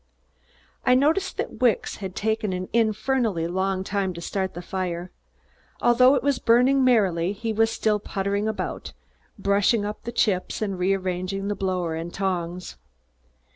I noticed that Wicks had taken an infernally long time to start the fire. Although it was burning merrily, he still puttered about, brushing up the chips and rearranging the blower and tongs.